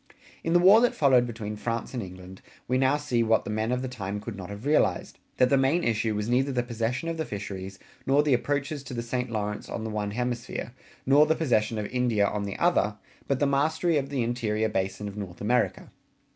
In the war that followed between France and England, we now see what the men of the time could not have realized: that the main issue was neither the possession of the fisheries nor the approaches to the St. Lawrence on the one hemisphere, nor the possession of India on the other, but the mastery of the interior basin of North America.